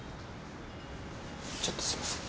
ちょっとすいません。